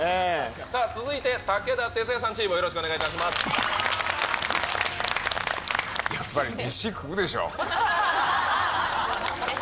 続いて武田鉄矢さんチーム、よろしくお願いいたします。